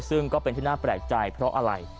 ซึ่งก็เป็นที่น่าแปลกใจเพราะอะไร